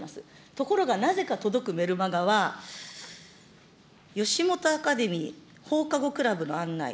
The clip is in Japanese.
ところがなぜか届くメルマガは、吉本アカデミー放課後クラブの案内。